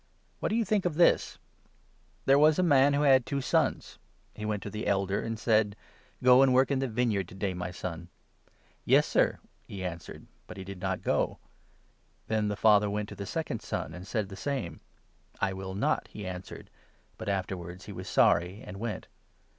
What do you think of this ? There 28 Parable was a man wh° 'iac^ two sons. He went to the of the elder and said ' Go and work in the vineyard two sons, to day, my son.' ' Yes, sir,' he answered ; but he did not go. Then the father 29, went to the second son, and said the same. ' I will not,' he answered ; but afterwards he was sorry and went.